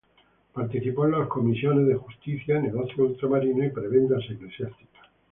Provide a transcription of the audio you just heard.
Participó en las comisiones de Justicia, Negocios Ultramarinos y Prebendas Eclesiásticas.